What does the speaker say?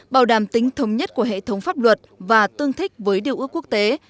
bảo đảm tính thống nhất của hệ thống pháp luật và tương thích với điều ước quốc tế